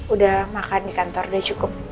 udah makan di kantor udah cukup